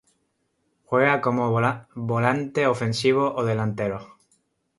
Juega como volante ofensivo o delantero.